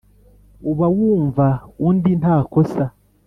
uba wumva undi nta kosa